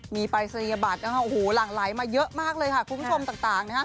มีปรายศนียบัตรหลั่งไหลมาเยอะมากเลยค่ะคุณผู้ชมต่าง